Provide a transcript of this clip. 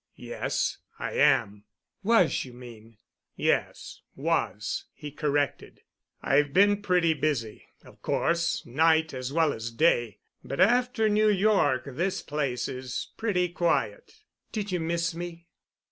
"Yes—I am." "Was, you mean." "Yes—was," he corrected. "I've been pretty busy, of course, night as well as day, but after New York this place is pretty quiet." "Did you miss me?"